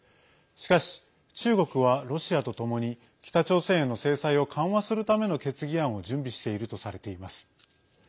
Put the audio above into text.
しかし、中国はロシアとともに北朝鮮への制裁を緩和するための決議案を準備しているとされています。